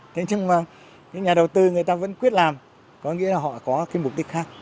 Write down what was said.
thế nhưng mà những nhà đầu tư người ta vẫn quyết làm có nghĩa là họ có cái mục đích khác